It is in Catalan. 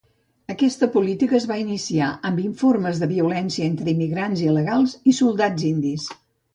Aquesta política es va iniciar amb informes de violència entre immigrants il·legals i soldats indis.